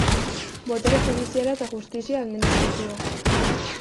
Botere judiziala eta justizia administrazioa.